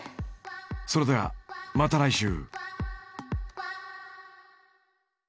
それではまた来週。